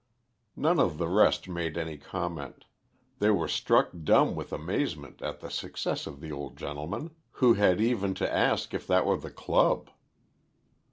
None of the rest made any comment; they were struck dumb with amazement at the success of the old gentleman, who had even to ask if that were the club.